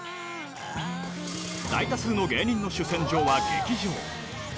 大多数の芸人の主戦場は劇場。